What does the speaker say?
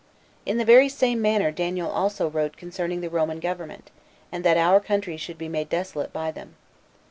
In the very same manner Daniel also wrote concerning the Roman government, and that our country should be made desolate by them.